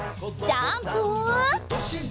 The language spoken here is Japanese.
ジャンプ！